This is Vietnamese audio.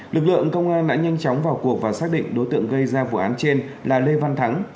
lực lượng công an đã nhanh chóng vào cuộc và xác định đối tượng gây ra vụ án trên là lê văn thắng